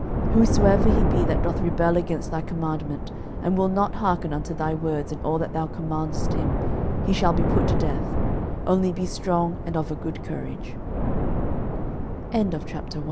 06:001:018 Whosoever he be that doth rebel against thy commandment, and will not hearken unto thy words in all that thou commandest him, he shall be put to death: only be strong and of a good cou